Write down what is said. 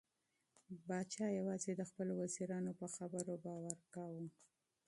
پاچا یوازې د خپلو وزیرانو په خبرو باور کاوه.